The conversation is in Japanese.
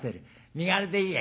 身軽でいいや」。